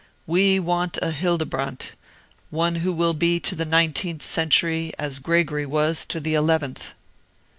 We want a Hildebrand, one who will be to the nineteenth century as Gregory was to the eleventh."